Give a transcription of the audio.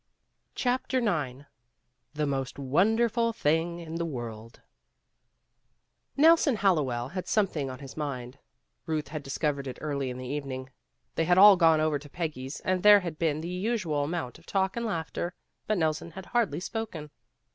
CHAPTER IX THE MOST WONDERFUL THING IN THE WORLD NELSON HALLO WELL had something on his mind. Ruth had discovered it early in the evening. They had all gone over to Peggy's, and there had been the usual amount of talk and laughter, but Nelson had hardly spoken.